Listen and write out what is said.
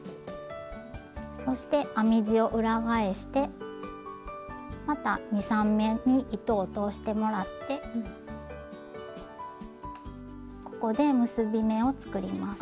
そして編み地を裏返してまた２３目に糸を通してもらってここで結び目を作ります。